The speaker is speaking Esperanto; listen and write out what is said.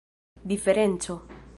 diferenco